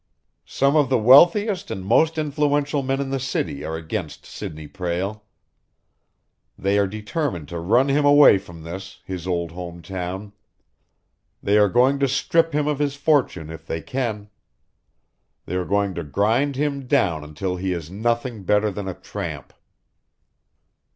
"Some of the wealthiest and most influential men in the city are against Sidney Prale. They are determined to run him away from this, his old home town. They are going to strip him of his fortune if they can. They are going to grind him down until he is nothing better than a tramp."